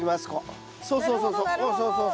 そうそうそうそう。